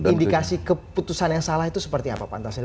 indikasi keputusan yang salah itu seperti apa pak antasari